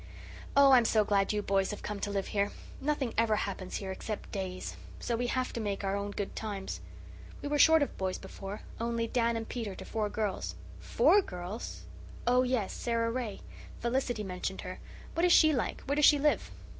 Oh, I'm so glad you boys have come to live here. Nothing ever happens here, except days, so we have to make our own good times. We were short of boys before only Dan and Peter to four girls." "FOUR girls? Oh, yes, Sara Ray. Felicity mentioned her. What is she like? Where does she live?"